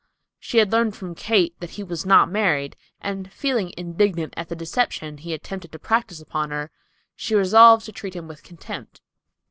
She had learned from Kate that he was not married; and feeling indignant at the deception he attempted to practice upon her, she resolved to treat him with contempt.